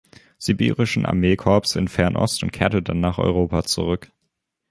Sibirischen Armeekorps in Fernost und kehrte dann nach Europa zurück.